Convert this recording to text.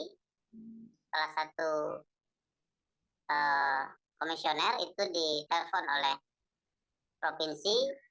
salah satu komisioner itu di telepon oleh provinsi